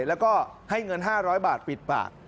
แล้วก็ให้เงิน๕๐๐บาทปิดปาก